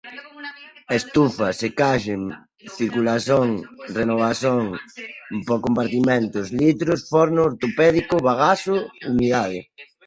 estufa, secagem, circulação, renovação, compartimentos, litros, forno, ortopédico, bagaço, umidade